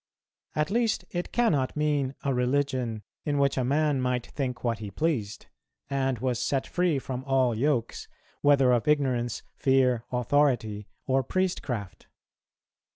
At least, it cannot mean a religion in which a man might think what he pleased, and was set free from all yokes, whether of ignorance, fear, authority, or priestcraft.